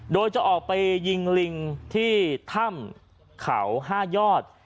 โดยจะออกไปยิงลิงที่ถ้ำเขา๕ยอด